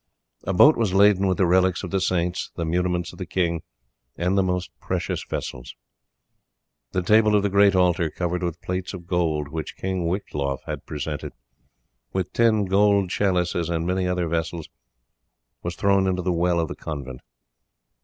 A boat was laden with the relics of the saints, the muniments of the king, and the most precious vessels. The table of the great altar covered with plates of gold, which King Wichtlof had presented, with ten gold chalices, and many other vessels, was thrown into the well of the convent.